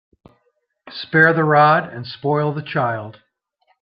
Spare the rod and spoil the child.